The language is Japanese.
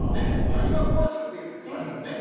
何が詳しくてとかやもんね。